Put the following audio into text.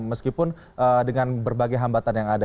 meskipun dengan berbagai hambatan yang ada